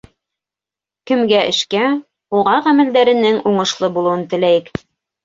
Кемгә эшкә, уға ғәмәлдәренең уңышлы булыуын теләйек.